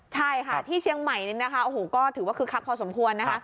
ใช่ค่ะที่เชียงใหม่นี่นะคะโอ้โหก็ถือว่าคึกคักพอสมควรนะคะ